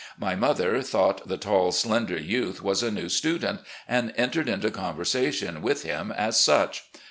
My mother thought the tall, slender youth was a new student, and entered into conversation with him as such.